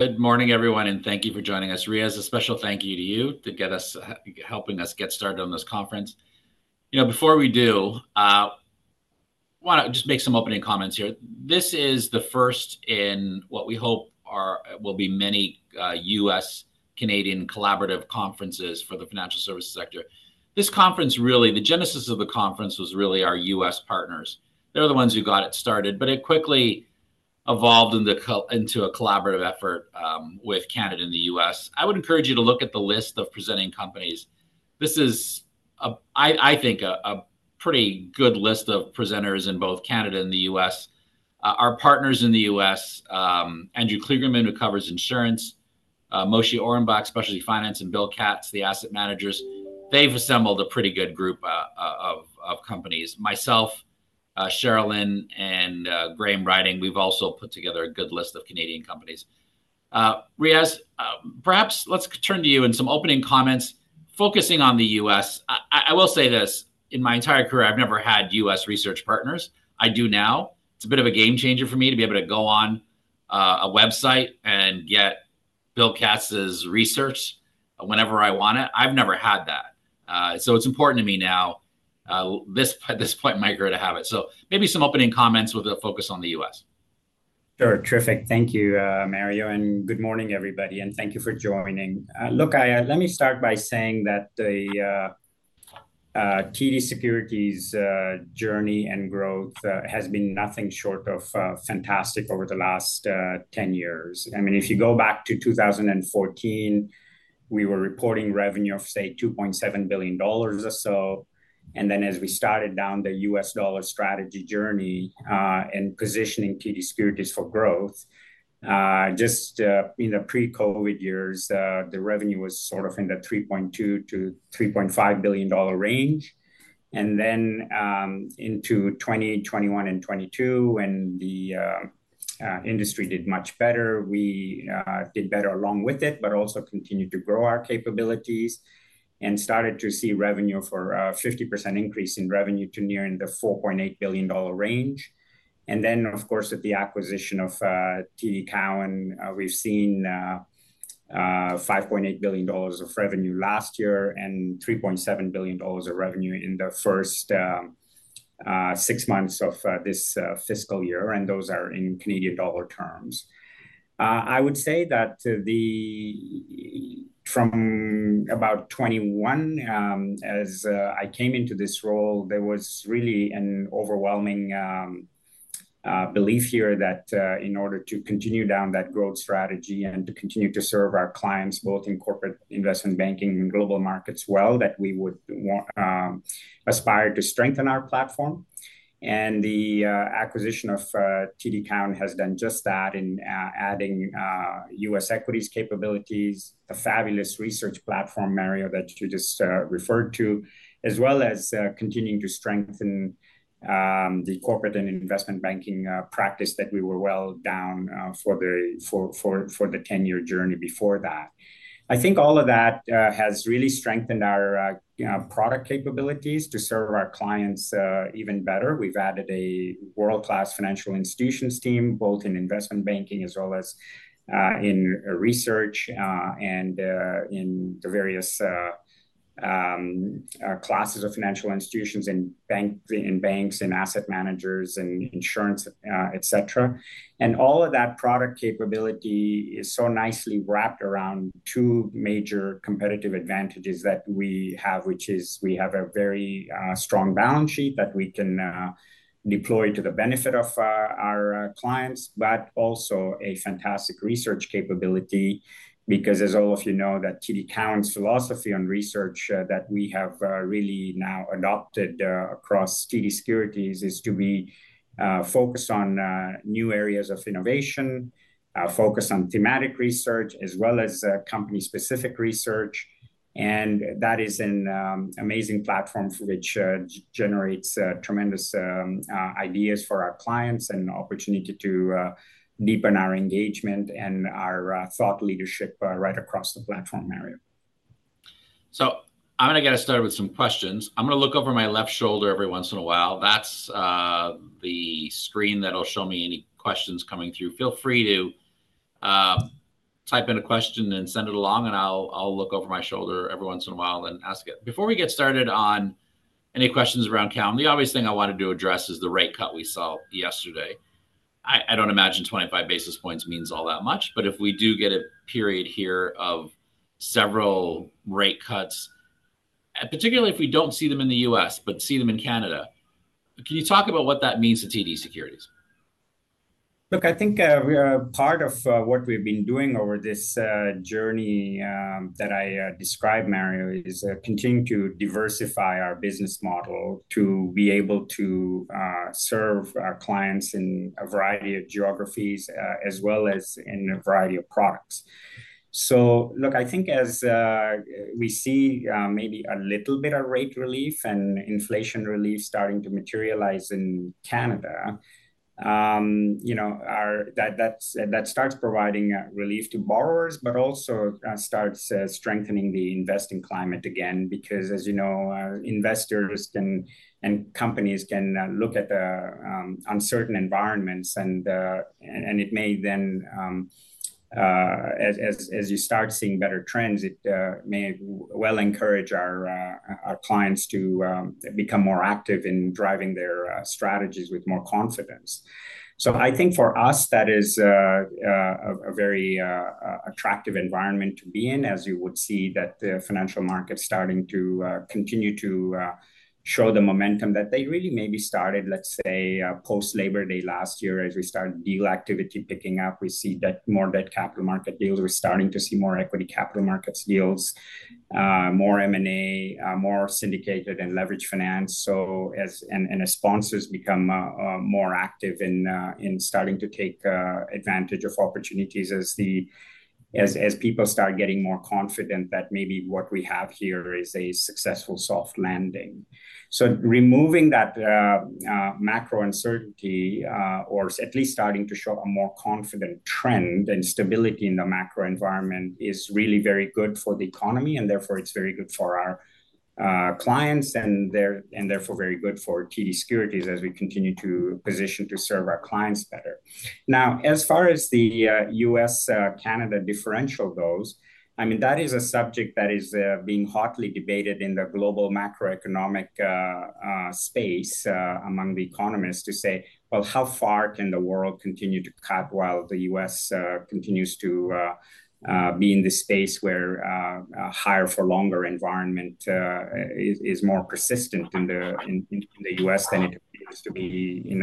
Good morning, everyone, and thank you for joining us. Riaz, a special thank you to you to get us, helping us get started on this conference. You know, before we do, wanna just make some opening comments here. This is the first in what we hope are, will be many, U.S.-Canadian collaborative conferences for the financial services sector. This conference, really, the genesis of the conference was really our U.S. partners. They're the ones who got it started, but it quickly evolved into a collaborative effort, with Canada and the U.S. I would encourage you to look at the list of presenting companies. This is, I think, a pretty good list of presenters in both Canada and the U.S. Our partners in the U.S., Andrew Kligerman, who covers insurance, Moshe Orenbuch, specialty finance, and Bill Katz, the asset managers. They've assembled a pretty good group of companies. Myself, Cherilyn, and Graham Ryding, we've also put together a good list of Canadian companies. Riaz, perhaps let's turn to you and some opening comments focusing on the U.S. I will say this: in my entire career, I've never had U.S. research partners. I do now. It's a bit of a game changer for me to be able to go on a website and get Bill Katz's research whenever I want it. I've never had that. So it's important to me now, at this point in my career, to have it. So maybe some opening comments with a focus on the U.S. Sure, terrific. Thank you, Mario, and good morning, everybody, and thank you for joining. Look, let me start by saying that the TD Securities' journey and growth has been nothing short of fantastic over the last 10 years. I mean, if you go back to 2014, we were reporting revenue of, say, $2.7 billion or so, and then as we started down the US dollar strategy journey and positioning TD Securities for growth, just in the pre-COVID years, the revenue was sort of in the 3.2 billion-3.5 billion dollar range. And then, into 2020, 2021 and 2022, when the industry did much better, we did better along with it, but also continued to grow our capabilities and started to see revenue for a 50% increase in revenue to nearing the 4.8 billion dollar range. And then, of course, with the acquisition of TD Cowen, we've seen 5.8 billion dollars of revenue last year and 3.7 billion dollars of revenue in the first six months of this fiscal year, and those are in Canadian dollar terms. I would say that, the... From about 2021, as I came into this role, there was really an overwhelming belief here that in order to continue down that growth strategy and to continue to serve our clients, both in corporate investment banking and global markets well, that we would want aspire to strengthen our platform. And the acquisition of TD Cowen has done just that in adding U.S. equities capabilities, a fabulous research platform, Mario, that you just referred to, as well as continuing to strengthen the corporate and investment banking practice that we were well down for the 10-year journey before that. I think all of that has really strengthened our you know product capabilities to serve our clients even better. We've added a world-class financial institutions team, both in investment banking as well as in research and in the various classes of financial institutions and banks and asset managers and insurance, et cetera. And all of that product capability is so nicely wrapped around two major competitive advantages that we have, which is we have a very strong balance sheet that we can deploy to the benefit of our clients, but also a fantastic research capability. Because as all of you know, that TD Cowen's philosophy on research that we have really now adopted across TD Securities is to be focused on new areas of innovation, focused on thematic research, as well as company-specific research. That is an amazing platform which generates tremendous ideas for our clients and an opportunity to deepen our engagement and our thought leadership right across the platform, Mario. So I'm gonna get us started with some questions. I'm gonna look over my left shoulder every once in a while. That's the screen that'll show me any questions coming through. Feel free to type in a question and send it along, and I'll look over my shoulder every once in a while and ask it. Before we get started on any questions around Cowen, the obvious thing I wanted to address is the rate cut we saw yesterday. I don't imagine 25 basis points means all that much, but if we do get a period here of several rate cuts, and particularly if we don't see them in the U.S. but see them in Canada, can you talk about what that means to TD Securities? Look, I think we are part of what we've been doing over this journey that I described, Mario, is continuing to diversify our business model to be able to serve our clients in a variety of geographies as well as in a variety of products. So look, I think as we see maybe a little bit of rate relief and inflation relief starting to materialize in Canada, you know, that starts providing relief to borrowers, but also starts strengthening the investing climate again. Because, as you know, investors can, and companies can, look at the uncertain environments, and it may then... As you start seeing better trends, it may well encourage our clients to become more active in driving their strategies with more confidence. So I think for us, that is a very attractive environment to be in, as you would see that the financial markets starting to continue to show the momentum that they really maybe started, let's say, post-Labor Day last year as we started deal activity picking up. We see that more debt capital markets deals. We're starting to see more equity capital markets deals, more M&A, more syndicated and leveraged finance. So as... As sponsors become more active in starting to take advantage of opportunities as people start getting more confident that maybe what we have here is a successful soft landing. So removing that macro uncertainty, or at least starting to show a more confident trend and stability in the macro environment, is really very good for the economy, and therefore it's very good for our clients, and therefore very good for TD Securities as we continue to position to serve our clients better. Now, as far as the U.S.-Canada differential goes, I mean, that is a subject that is being hotly debated in the global macroeconomic space among the economists to say, "Well, how far can the world continue to cut while the U.S. continues to be in this space where a higher for longer environment is more persistent in the U.S. than it appears to be in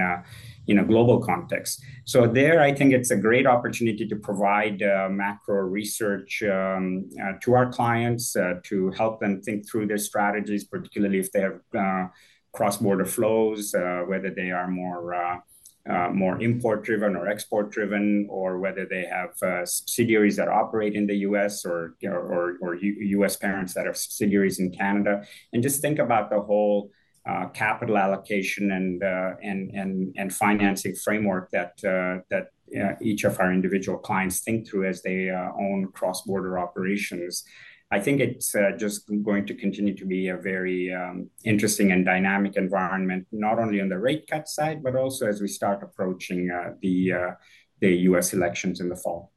a global context?" So there, I think it's a great opportunity to provide macro research to our clients to help them think through their strategies, particularly if they have cross-border flows, whether they are more import-driven or export-driven, or whether they have subsidiaries that operate in the U.S., or U.S. parents that have subsidiaries in Canada. And just think about the whole capital allocation and financing framework that each of our individual clients think through as they own cross-border operations. I think it's just going to continue to be a very interesting and dynamic environment, not only on the rate cut side, but also as we start approaching the U.S. elections in the fall.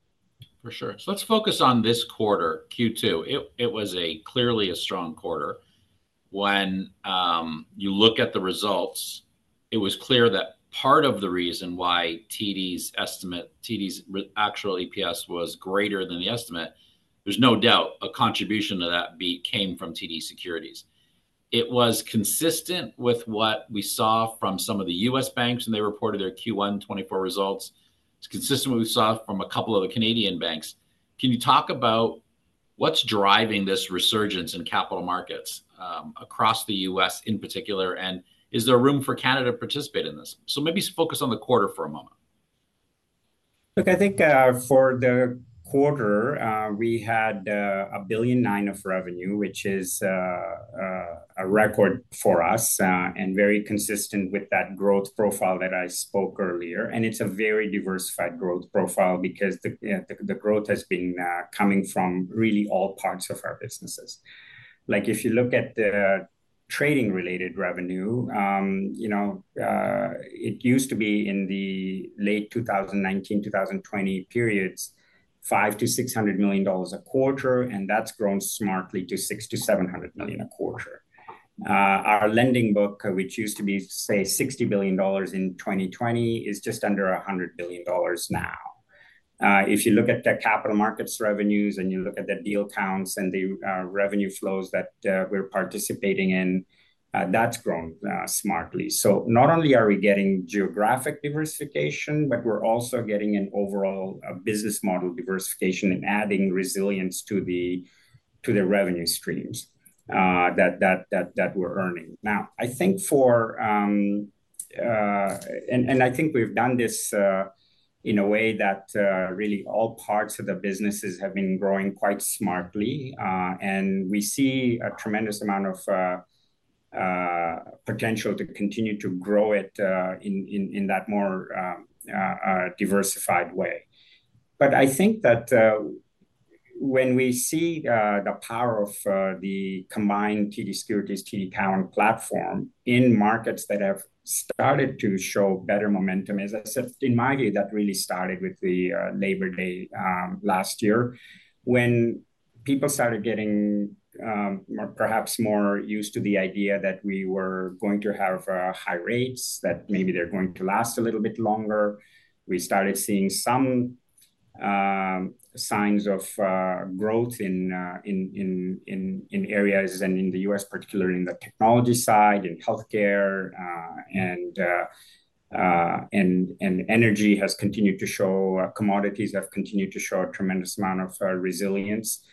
For sure. So let's focus on this quarter, Q2. It was clearly a strong quarter. When you look at the results, it was clear that part of the reason why TD's actual EPS was greater than the estimate, there's no doubt a contribution to that beat came from TD Securities. It was consistent with what we saw from some of the U.S. banks when they reported their Q1 2024 results. It's consistent with what we saw from a couple of the Canadian banks. Can you talk about what's driving this resurgence in capital markets across the U.S. in particular, and is there room for Canada to participate in this? So maybe focus on the quarter for a moment. Look, I think, for the quarter, we had 1.9 billion of revenue, which is a record for us, and very consistent with that growth profile that I spoke earlier, and it's a very diversified growth profile because the growth has been coming from really all parts of our businesses. Like, if you look at the trading-related revenue, you know, it used to be in the late 2019, 2020 periods, 500 million-600 million dollars a quarter, and that's grown smartly to 600 million-700 million a quarter. Our lending book, which used to be, say, 60 billion dollars in 2020, is just under 100 billion dollars now. If you look at the capital markets revenues, and you look at the deal counts and the revenue flows that we're participating in, that's grown smartly. So not only are we getting geographic diversification, but we're also getting an overall business model diversification and adding resilience to the revenue streams that we're earning. And I think we've done this in a way that really all parts of the businesses have been growing quite smartly, and we see a tremendous amount of potential to continue to grow it in that more diversified way. But I think that when we see the power of the combined TD Securities, TD Cowen platform in markets that have started to show better momentum, as I said, in my view, that really started with the Labor Day last year, when people started getting perhaps more used to the idea that we were going to have high rates, that maybe they're going to last a little bit longer. We started seeing some signs of growth in areas, and in the U.S., particularly in the technology side, in healthcare, and energy has continued to show, commodities have continued to show a tremendous amount of resilience.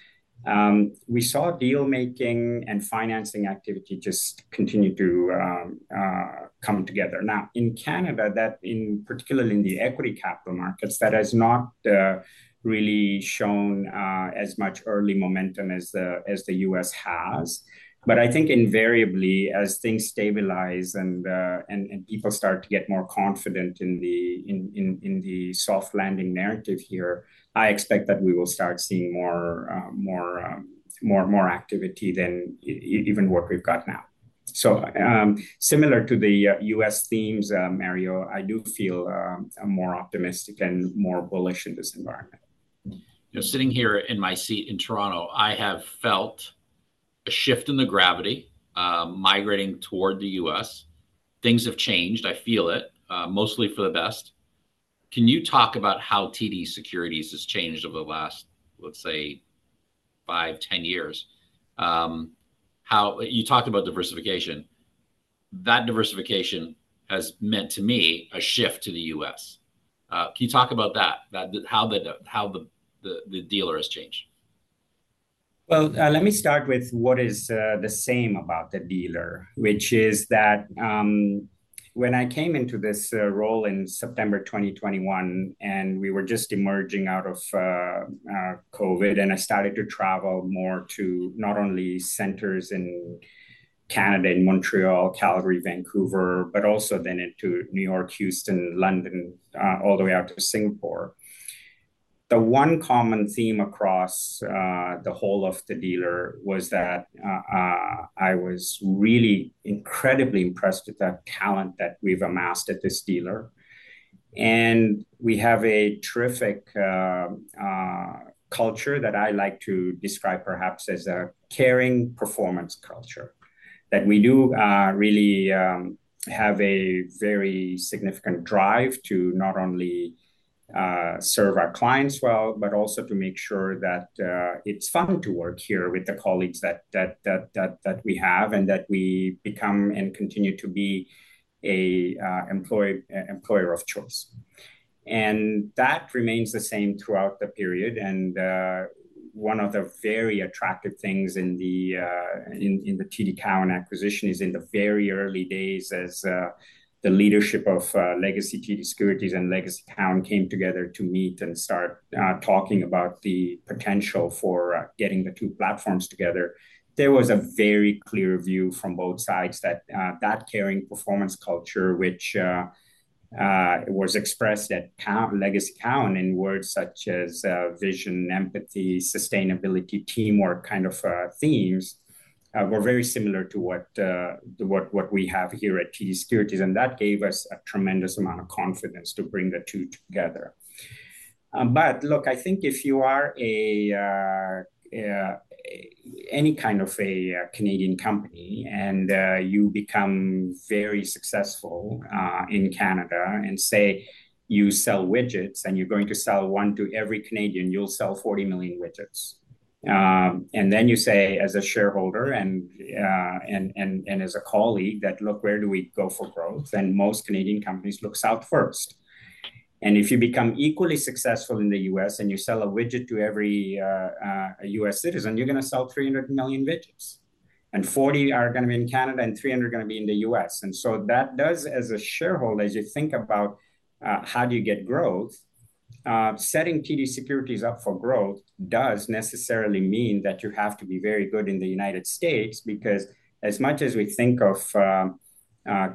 We saw deal-making and financing activity just continue to come together. Now, in Canada, that, in particular in the equity capital markets, that has not really shown as much early momentum as the U.S. has. But I think invariably, as things stabilize and people start to get more confident in the soft landing narrative here, I expect that we will start seeing more activity than even what we've got now. So, similar to the U.S. themes, Mario, I do feel more optimistic and more bullish in this environment. You know, sitting here in my seat in Toronto, I have felt a shift in the gravity, migrating toward the U.S. Things have changed, I feel it, mostly for the best. Can you talk about how TD Securities has changed over the last, let's say, five, 10 years? You talked about diversification. That diversification has meant, to me, a shift to the U.S. Can you talk about that, how the dealer has changed? Well, let me start with what is the same about the dealer, which is that, when I came into this role in September 2021, and we were just emerging out of COVID, and I started to travel more to not only centers in Canada, in Montreal, Calgary, Vancouver, but also then into New York, Houston, London, all the way out to Singapore. The one common theme across the whole of the dealer was that I was really incredibly impressed with the talent that we've amassed at this dealer. And we have a terrific culture that I like to describe perhaps as a caring performance culture. That we do really have a very significant drive to not only serve our clients well, but also to make sure that it's fun to work here with the colleagues that we have, and that we become and continue to be an employer of choice. That remains the same throughout the period. One of the very attractive things in the TD Cowen acquisition is in the very early days as the leadership of legacy TD Securities and legacy Cowen came together to meet and start talking about the potential for getting the two platforms together. There was a very clear view from both sides that that caring performance culture, which was expressed at legacy Cowen in words such as vision, empathy, sustainability, teamwork, kind of themes, were very similar to what we have here at TD Securities, and that gave us a tremendous amount of confidence to bring the two together. But look, I think if you are any kind of a Canadian company, and you become very successful in Canada, and say, you sell widgets, and you're going to sell one to every Canadian, you'll sell 40 million widgets. And then you say, as a shareholder and as a colleague, that, "Look, where do we go for growth?" And most Canadian companies look south first. And if you become equally successful in the U.S. and you sell a widget to every, a U.S. citizen, you're gonna sell 300 million widgets, and 40 are gonna be in Canada, and 300 are gonna be in the U.S. And so that does, as a shareholder, as you think about, how do you get growth, setting TD Securities up for growth does necessarily mean that you have to be very good in the United States. Because as much as we think of,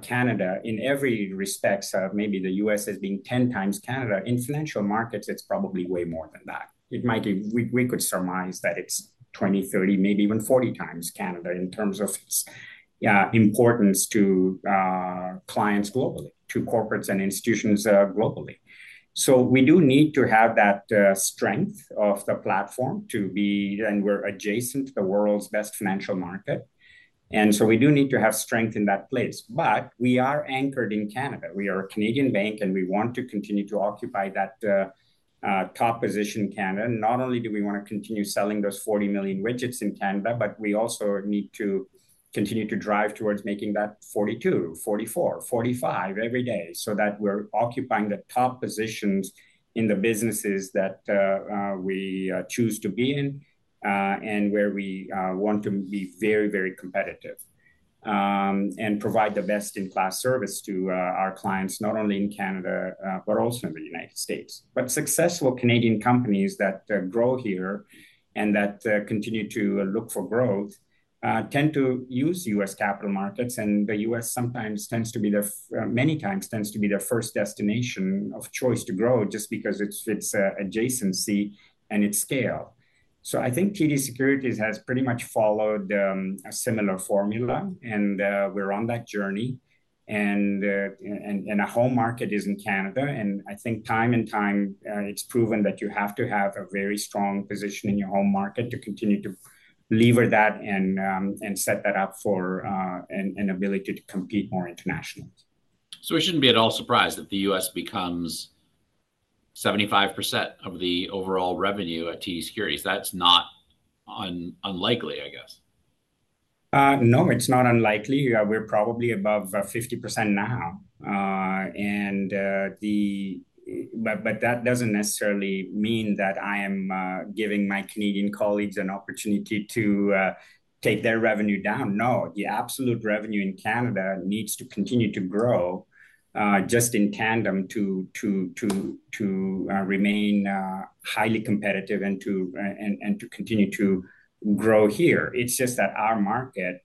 Canada in every respect, maybe the U.S. as being 10 times Canada, in financial markets, it's probably way more than that. It might be. We could surmise that it's 20, 30, maybe even 40 times Canada in terms of its, importance to, clients globally, to corporates and institutions, globally. So we do need to have that strength of the platform to be... We're adjacent to the world's best financial market, and so we do need to have strength in that place. But we are anchored in Canada. We are a Canadian bank, and we want to continue to occupy that top position in Canada. Not only do we wanna continue selling those 40 million widgets in Canada, but we also need to continue to drive towards making that 42, 44, 45 every day, so that we're occupying the top positions in the businesses that we choose to be in, and where we want to be very, very competitive, and provide the best-in-class service to our clients, not only in Canada, but also in the United States. But successful Canadian companies that grow here and that continue to look for growth tend to use U.S. capital markets, and the U.S. sometimes tends to be, many times tends to be the first destination of choice to grow just because it's adjacency and its scale. So I think TD Securities has pretty much followed a similar formula, and we're on that journey, and our home market is in Canada. And I think time and time it's proven that you have to have a very strong position in your home market to continue to lever that and set that up for an ability to compete more internationally. So we shouldn't be at all surprised if the U.S. becomes 75% of the overall revenue at TD Securities. That's not unlikely, I guess. No, it's not unlikely. We're probably above 50% now. But that doesn't necessarily mean that I am giving my Canadian colleagues an opportunity to take their revenue down. No, the absolute revenue in Canada needs to continue to grow just in tandem to remain highly competitive and to continue to grow here. It's just that our market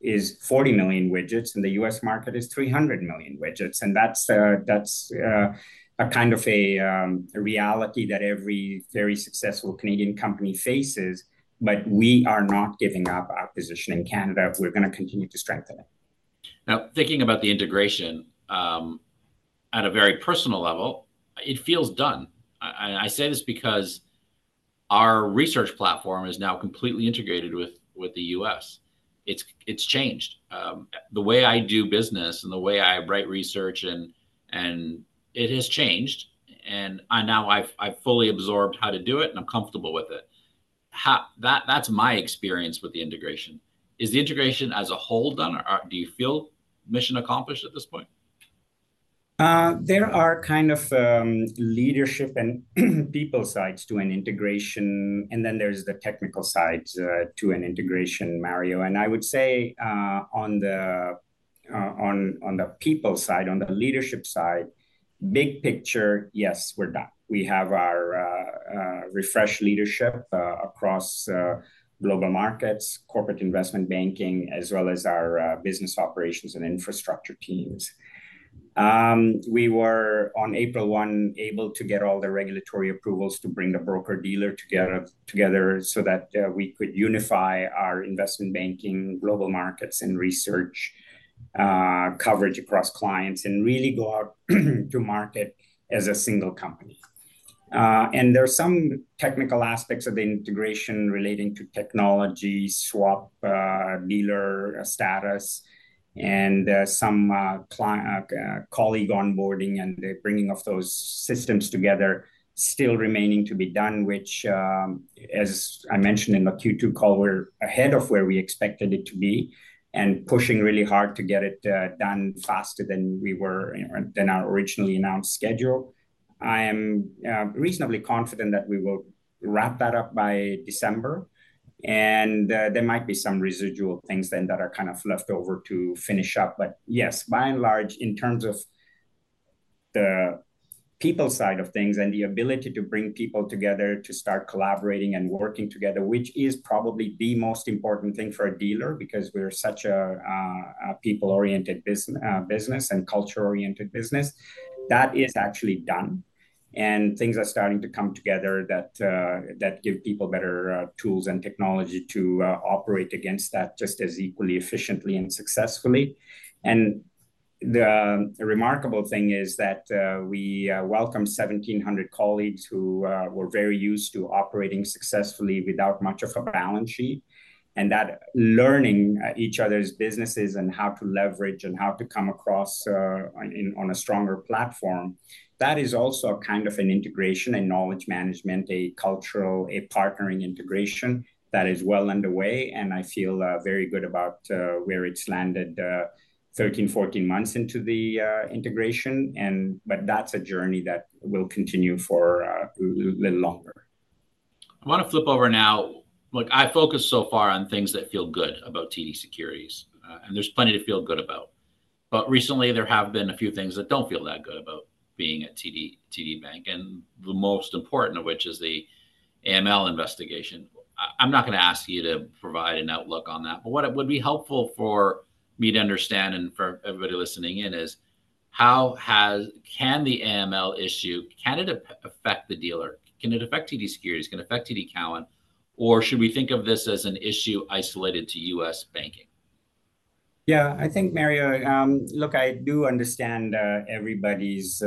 is 40 million widgets, and the U.S. market is 300 million widgets, and that's a kind of a reality that every very successful Canadian company faces. But we are not giving up our position in Canada. We're gonna continue to strengthen it. Now, thinking about the integration, at a very personal level, it feels done. I say this because our research platform is now completely integrated with the U.S. It's changed the way I do business and the way I write research and it has changed, and now I've fully absorbed how to do it and I'm comfortable with it. That's my experience with the integration. Is the integration as a whole done, or do you feel mission accomplished at this point? There are kind of leadership and people sides to an integration, and then there's the technical sides to an integration, Mario. And I would say on the people side, on the leadership side, big picture, yes, we're done. We have our refreshed leadership across global markets, corporate investment banking, as well as our business operations and infrastructure teams. We were on April 1 able to get all the regulatory approvals to bring the broker-dealer together so that we could unify our investment banking, global markets, and research coverage across clients, and really go out to market as a single company. There are some technical aspects of the integration relating to technology, swap dealer status, and some colleague onboarding, and the bringing of those systems together still remaining to be done, which, as I mentioned in the Q2 call, we're ahead of where we expected it to be, and pushing really hard to get it done faster than we were, than our originally announced schedule. I am reasonably confident that we will wrap that up by December, and there might be some residual things then that are kind of left over to finish up. But yes, by and large, in terms of the people side of things and the ability to bring people together to start collaborating and working together, which is probably the most important thing for a dealer because we're such a people-oriented business and culture-oriented business, that is actually done. And things are starting to come together that give people better tools and technology to operate against that just as equally, efficiently, and successfully. And the remarkable thing is that we welcomed 1,700 colleagues who were very used to operating successfully without much of a balance sheet. And that learning each other's businesses and how to leverage and how to come across on, in, on a stronger platform, that is also a kind of an integration, a knowledge management, a cultural, a partnering integration that is well underway, and I feel very good about where it's landed 13, 14 months into the integration and... But that's a journey that will continue for little longer. I want to flip over now. Look, I focused so far on things that feel good about TD Securities, and there's plenty to feel good about. But recently there have been a few things that don't feel that good about being at TD, TD Bank, and the most important of which is the AML investigation. I'm not going to ask you to provide an outlook on that, but what would be helpful for me to understand and for everybody listening in is, Can the AML issue, can it affect the dealer? Can it affect TD Securities, can it affect TD Cowen, or should we think of this as an issue isolated to U.S. banking? Yeah, I think, Mario, look, I do understand everybody's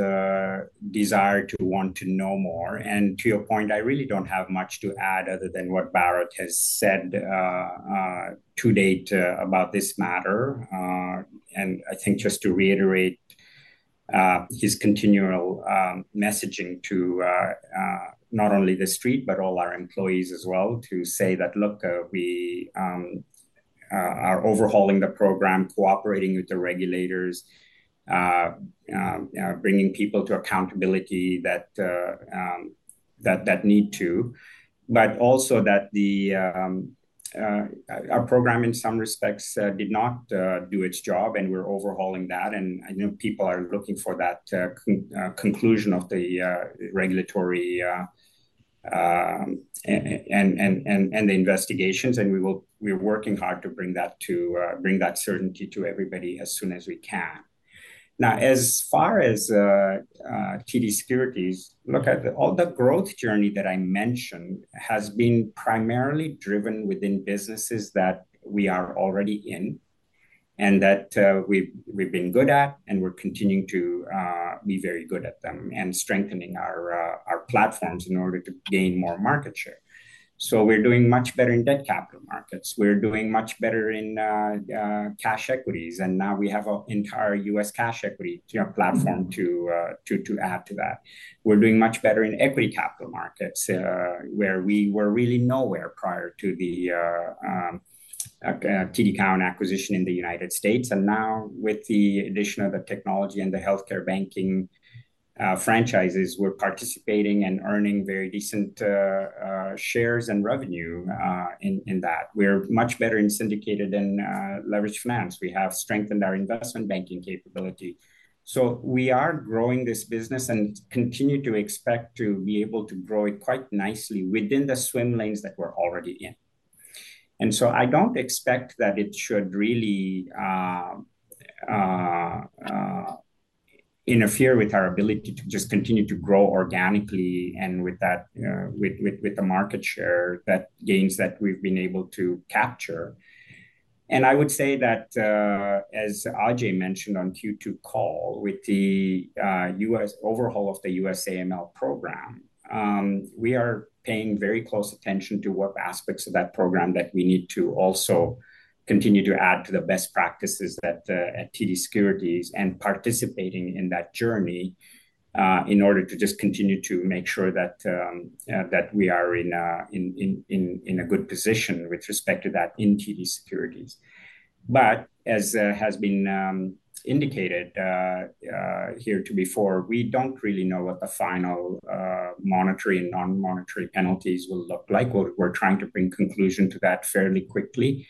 desire to want to know more. And to your point, I really don't have much to add other than what Bharat has said to date about this matter. I think just to reiterate, his continual messaging to not only the Street, but all our employees as well, to say that, "Look, we are overhauling the program, cooperating with the regulators, bringing people to accountability that need to." But also that our program in some respects did not do its job, and we're overhauling that, and I know people are looking for that conclusion of the regulatory and the investigations, and we're working hard to bring that certainty to everybody as soon as we can. Now, as far as TD Securities, look, at the... All the growth journey that I mentioned has been primarily driven within businesses that we are already in, and that, we've been good at, and we're continuing to be very good at them, and strengthening our our platforms in order to gain more market share. So we're doing much better in debt capital markets. We're doing much better in cash equities, and now we have a entire U.S. cash equity, you know, platform to add to that. We're doing much better in equity capital markets, where we were really nowhere prior to the TD Cowen acquisition in the United States. And now with the addition of the technology and the healthcare banking franchises, we're participating and earning very decent shares and revenue in that. We're much better in syndicated and leveraged finance. We have strengthened our investment banking capability. So we are growing this business and continue to expect to be able to grow it quite nicely within the swim lanes that we're already in. And so I don't expect that it should really interfere with our ability to just continue to grow organically, and with the market share gains that we've been able to capture. And I would say that, as Ajai mentioned on Q2 call, with the U.S. overhaul of the U.S. AML program, we are paying very close attention to what aspects of that program that we need to also continue to add to the best practices that at TD Securities, and participating in that journey, in order to just continue to make sure that that we are in a good position with respect to that in TD Securities. But as has been indicated, heretofore, we don't really know what the final monetary and non-monetary penalties will look like. We're trying to bring conclusion to that fairly quickly,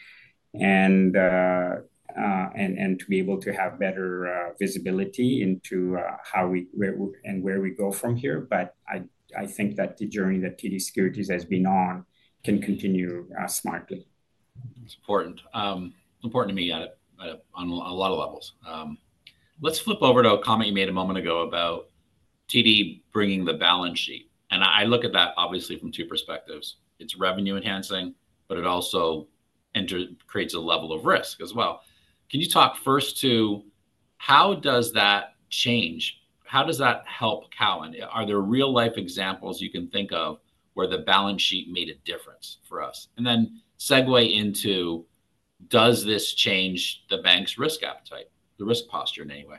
and to be able to have better visibility into where we go from here. But I think that the journey that TD Securities has been on can continue, smartly. It's important. Important to me on a lot of levels. Let's flip over to a comment you made a moment ago about TD bringing the balance sheet, and I look at that obviously from two perspectives: It's revenue-enhancing, but it also creates a level of risk as well. Can you talk first to how does that change? How does that help Cowen? Are there real-life examples you can think of where the balance sheet made a difference for us? And then segue into, does this change the bank's risk appetite, the risk posture in any way?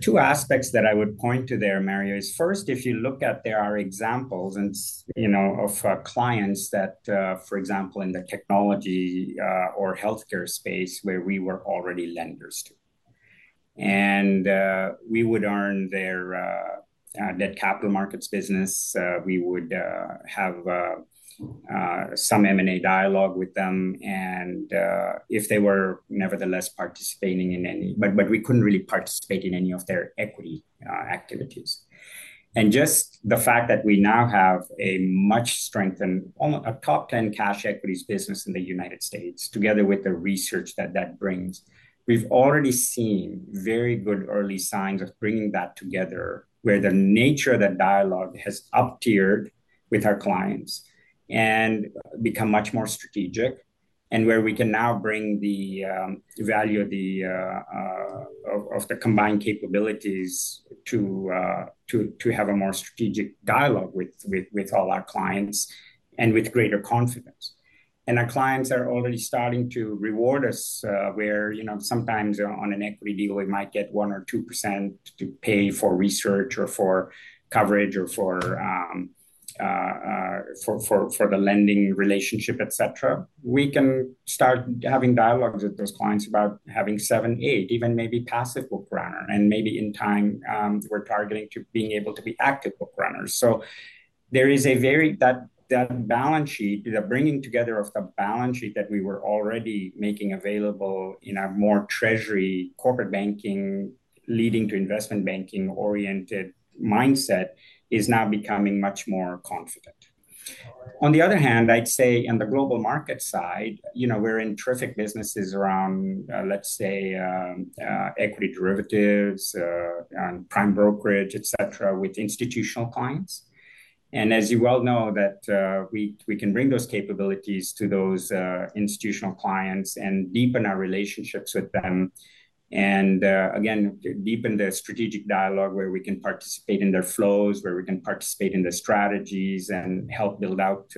Two aspects that I would point to there, Mario, is first, if you look at, there are examples and you know of clients that for example in the technology or healthcare space, where we were already lenders to. And we would earn their debt capital markets business, we would have some M&A dialogue with them and if they were nevertheless participating in any... But we couldn't really participate in any of their equity activities. And just the fact that we now have a much strengthened, a top 10 cash equities business in the United States, together with the research that that brings, we've already seen very good early signs of bringing that together, where the nature of that dialogue has up-tiered with our clients and become much more strategic, and where we can now bring the value of the combined capabilities to have a more strategic dialogue with all our clients and with greater confidence. And our clients are already starting to reward us, where, you know, sometimes on an equity deal, we might get 1% or 2% to pay for research or for coverage or for the lending relationship, et cetera. We can start having dialogues with those clients about having 7, 8, even maybe passive book runner, and maybe in time, we're targeting to being able to be active book runners. So there is a very... That balance sheet, the bringing together of the balance sheet that we were already making available in a more treasury, corporate banking, leading to investment banking-oriented mindset, is now becoming much more confident. On the other hand, I'd say on the global market side, you know, we're in terrific businesses around, let's say, equity derivatives, and prime brokerage, et cetera, with institutional clients. And as you well know, that we can bring those capabilities to those institutional clients and deepen our relationships with them, and again, deepen the strategic dialogue where we can participate in their flows, where we can participate in the strategies, and help build out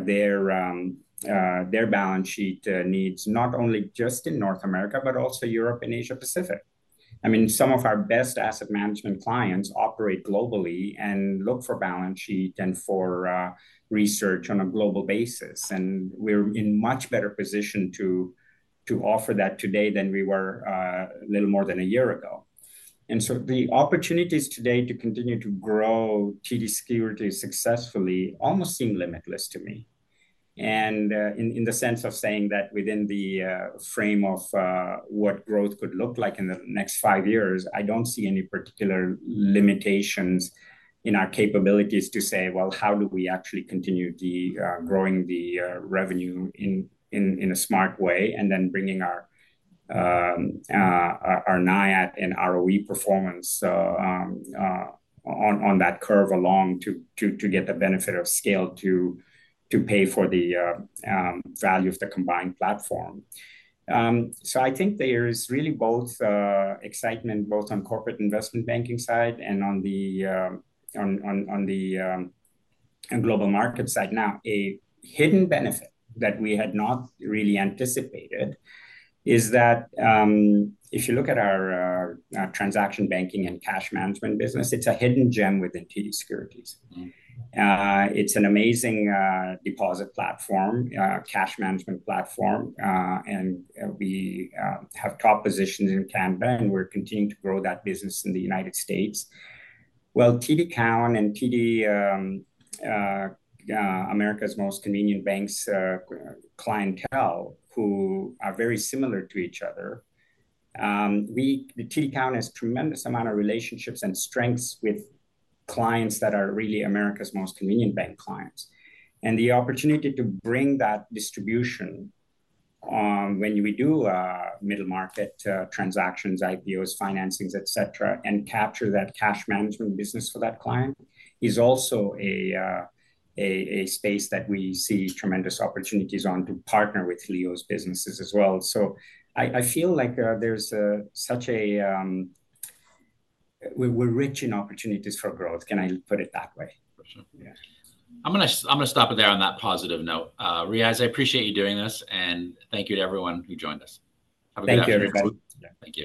their balance sheet needs, not only just in North America, but also Europe and Asia Pacific. I mean, some of our best asset management clients operate globally and look for balance sheet and for research on a global basis, and we're in much better position to offer that today than we were little more than a year ago. And so the opportunities today to continue to grow TD Securities successfully almost seem limitless to me. In the sense of saying that within the frame of what growth could look like in the next five years, I don't see any particular limitations in our capabilities to say, "Well, how do we actually continue growing the revenue in a smart way?" And then bringing our NIAT and ROE performance on that curve along to get the benefit of scale to pay for the value of the combined platform. So I think there is really both excitement both on corporate investment banking side and on the global market side. Now, a hidden benefit that we had not really anticipated is that, if you look at our transaction banking and cash management business, it's a hidden gem within TD Securities. Mm-hmm. It's an amazing deposit platform, cash management platform, and we have top positions in Canada, and we're continuing to grow that business in the United States. Well, TD Cowen and TD America's Most Convenient Bank clientele, who are very similar to each other, the TD Cowen has tremendous amount of relationships and strengths with clients that are really America's Most Convenient Bank clients. And the opportunity to bring that distribution, when we do middle market transactions, IPOs, financings, et cetera, and capture that cash management business for that client, is also a space that we see tremendous opportunities on to partner with Leo's businesses as well. So I feel like, there's such a... We're rich in opportunities for growth. Can I put it that way? For sure. Yeah. I'm gonna, I'm gonna stop it there on that positive note. Riaz, I appreciate you doing this, and thank you to everyone who joined us. Thank you, everybody. Have a good afternoon. Thank you.